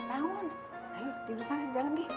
ayo tidur sana di dalam deh